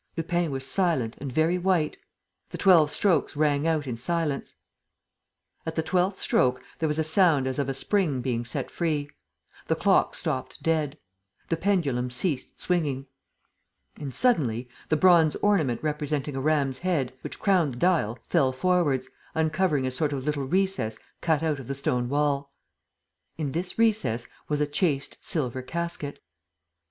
Lupin was silent and very white. The twelve strokes rang out in the silence. At the twelfth stroke, there was a sound as of a spring being set free. The clock stopped dead. The pendulum ceased swinging. And suddenly, the bronze ornament representing a ram's head, which crowned the dial, fell forwards, uncovering a sort of little recess cut out of the stone wall. In this recess was a chased silver casket.